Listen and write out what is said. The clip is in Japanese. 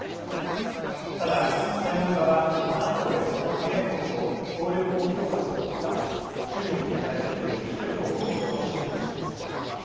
ただ、専門家はＮＡＴＯやその加盟国と協力を強化することは中国に対する抑止力を持つと指摘します。